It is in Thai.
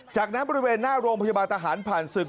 จากนั้นบริเวณหน้าโรงพยาบาลทหารผ่านศึก